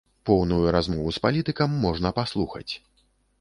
Поўную размову з палітыкам можна паслухаць!